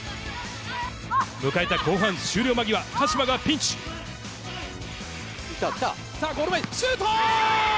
迎えた後半終了間際、鹿島がピンゴール前、シュート！